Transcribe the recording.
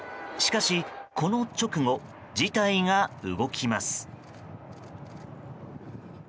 しかし、この直後事態が動きます。